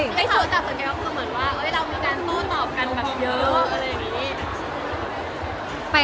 ส่วนแดดส่วนแดดคือเหมือนว่าเรามีการต้นตอบกันเยอะ